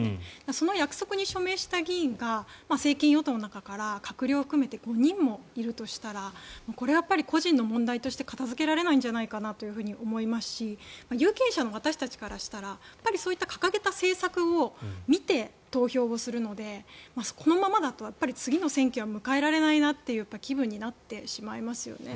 その約束に署名した議員が政権与党の中から、閣僚を含めて５人もいるとしたらこれは個人の問題として片付けられないんじゃないかなと思いますし有権者の私たちからしたら掲げた政策を見て投票をするのでこのままだと次の選挙を迎えられないなという気分になってしまいますよね。